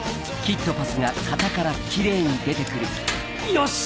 よし！